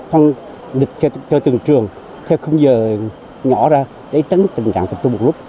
hoặc lịch cho từng trường theo không giờ nhỏ ra để tránh tình trạng tập trung một lúc